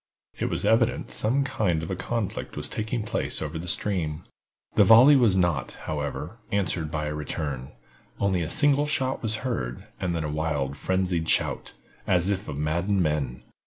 It was evident some kind of a conflict was taking place over the stream. The volley was not, however, answered by a return; only a single shot was heard, and then a wild, frenzied shout, as if of maddened men.